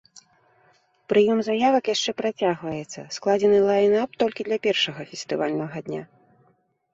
Прыём заявак яшчэ працягваецца, складзены лайн-ап толькі для першага фестывальнага дня.